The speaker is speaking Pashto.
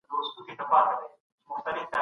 خپلې تېروتنې اصلاح کړئ.